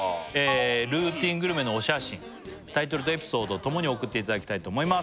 ルーティングルメのお写真タイトルとエピソードともに送っていただきたいと思います